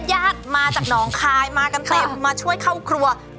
ญาติมาจากหนองคายมากันเต็มมาช่วยเข้าครัว